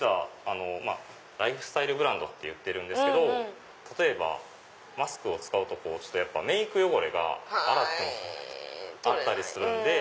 ライフスタイルブランドっていってるんですけど例えばマスクを使うとメイク汚れが洗っても取れないとかってあるんで。